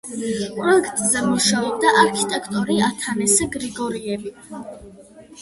პროექტზე მუშაობდა არქიტექტორი ათანასე გრიგორიევი.